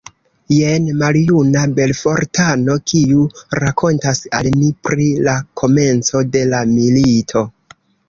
Jen maljuna Belfortano, kiu rakontas al ni pri la komenco de la milito.